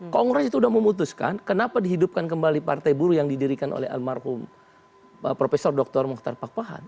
kongres itu sudah memutuskan kenapa dihidupkan kembali partai buruh yang didirikan oleh almarhum prof dr mokhtar pakpahan